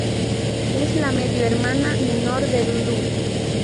Es la medio-hermana menor de Lulu.